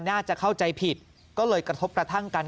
น่าจะเข้าใจผิดก็เลยกระทบกระทั่งกัน